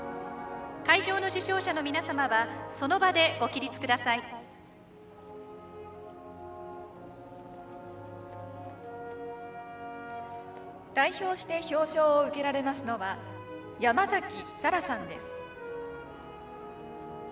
会場の受賞者の皆様はその場でご起立ください。代表して表彰を受けられますのは山紗更さんです。